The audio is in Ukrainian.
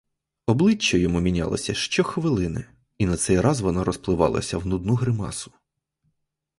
Обличчя йому мінялося щохвилини, і на цей раз воно розпливалося в нудну гримасу.